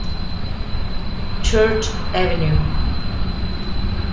Church Avenue